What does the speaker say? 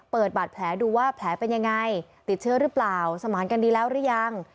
เปิดบาดแผลดูว่าแผลเป็นยังไงติดเชื้อหรือเปล่าสมานกันดีแล้วหรือยัง